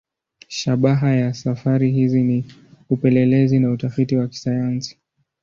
Shabaha ya safari hizi ni upelelezi na utafiti wa kisayansi.